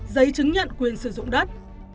giấy chứng nhận quyền sử dụng đất